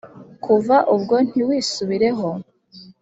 kuva ubwo ntiwisubireho!